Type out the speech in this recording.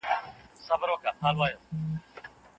نستعليق کمپيوټري کړئ.